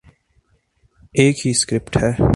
ایک ہی سکرپٹ ہے۔